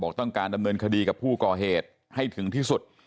ต้องการดำเนินคดีกับผู้ก่อเหตุให้ถึงที่สุด